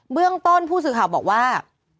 เรื่องต้นผู้สื่อข่าวบอกว่า